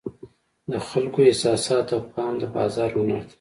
د خلکو احساساتو ته پام د بازار هنر دی.